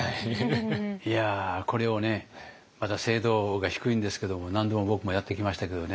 いやこれをねまだ精度が低いんですけども何度も僕もやってきましたけどね。